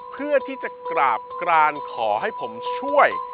เพื่อที่จะกราบกรานขอให้ผมช่วย